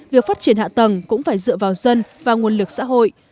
việc phát triển hạ tầng cũng phải dựa vào dân và nguồn lực của hà nội